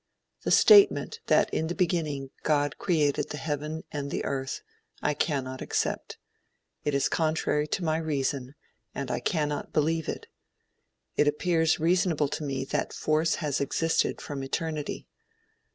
The statement that in the beginning God created the heaven and the earth, I cannot accept. It is contrary to my reason, and I cannot believe it. It appears reasonable to me that force has existed from eternity.